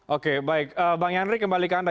oke baik bang yandri kembalikan anda